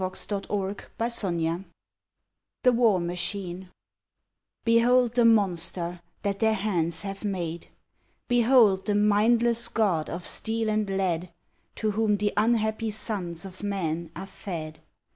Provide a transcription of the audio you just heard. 140 ON THE GREAT WAR THE WAR MACHINE Behold the monster that their hands have made ! Behold the mindless god of steel and lead To whom the unhappy sons of man are fed!